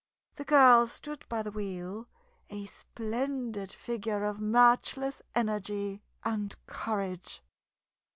The girl stood by the wheel, a splendid figure of matchless energy and courage.